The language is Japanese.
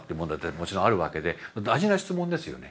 もちろんあるわけで大事な質問ですよね。